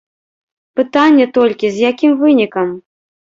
Пытанне толькі, з якім вынікам?